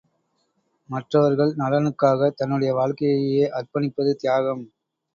மற்றவர்கள் நலனுக்காகத் தன்னுடைய வாழ்க்கையையே அர்ப்பணிப்பது தியாகம்.